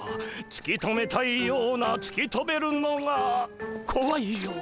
つき止めたいようなつき止めるのがこわいような。